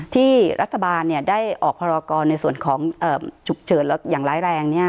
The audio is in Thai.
ที่รัฐบาลได้ออกพรกรในส่วนของฉุกเฉินอย่างร้ายแรง